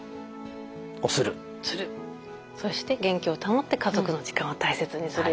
そして元気を保って家族の時間を大切にする。